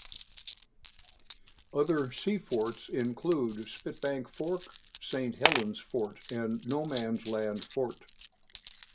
Other sea forts include Spitbank Fort, Saint Helens Fort and No Man's Land Fort.